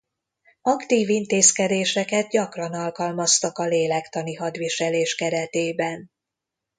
Aktív intézkedéseket gyakran alkalmaztak a lélektani hadviselés keretében.